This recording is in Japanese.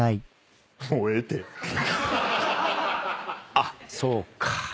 あっそうか。